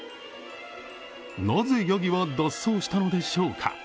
なぜ、やぎは脱走したのでしょうか？